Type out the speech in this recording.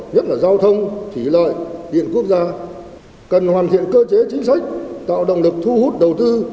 nhất là giao thông thủy lợi điện quốc gia cần hoàn thiện cơ chế chính sách tạo động lực thu hút đầu tư